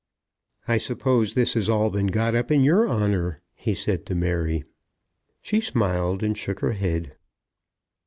"I suppose this has all been got up in your honour," he said to Mary. She smiled, and shook her head.